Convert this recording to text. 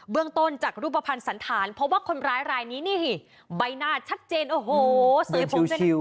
เรื่องต้นจากรูปภัณฑ์สันธารพบว่าคนร้ายรายนี้นี่ใบหน้าชัดเจนโอ้โหเสยผมเป็น